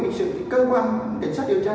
vì sự cơ quan chính sách điều tra